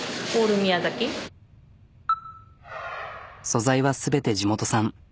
素材は全て地元産。